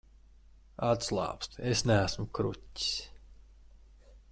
Atslābsti, es neesmu kruķis.